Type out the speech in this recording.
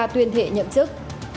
tuyên thệ nhậm chức